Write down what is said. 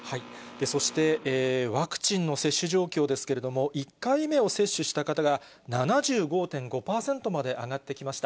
そしてワクチンの接種状況ですけれども、１回目を接種した方が７５．５％まで上がってきました。